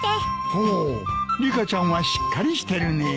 ほうリカちゃんはしっかりしてるね。